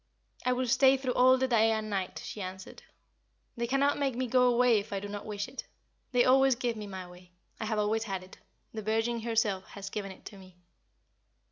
"I will stay through all the day and night," she answered. "They cannot make me go away if I do not wish it. They always give me my way. I have always had it the Virgin herself has given it to me."